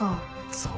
そう。